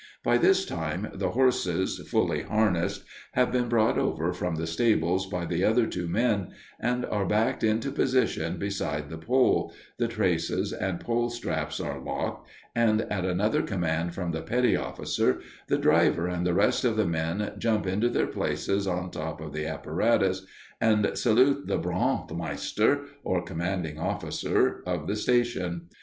By this time, the horses, fully harnessed, have been brought over from the stables by the other two men, and are backed into position beside the pole, the traces and pole straps are locked, and at another command from the petty officer the driver and the rest of the men jump into their places on top of the apparatus, and salute the Brandmeister, or commanding officer, of the station.